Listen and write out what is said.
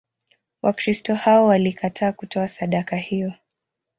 Wakristo hao walikataa kutoa sadaka hiyo.